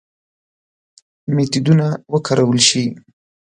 میتودونه وکارول شي.